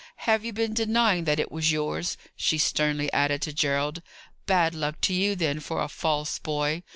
Have you been denying that it was yours?" she sternly added to Gerald. "Bad luck to you, then, for a false boy.